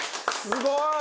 すごい！